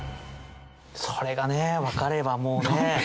それがねわかればもうね。